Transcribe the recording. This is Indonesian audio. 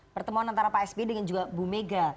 pertemuan antara pak s b dengan juga bu mega